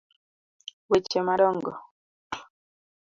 weche ma dongo: